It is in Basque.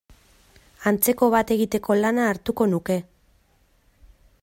Antzeko bat egiteko lana hartuko nuke.